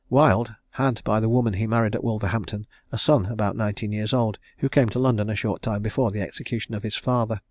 Wild had by the woman he married at Wolverhampton a son about nineteen years old, who came to London a short time before the execution of his father.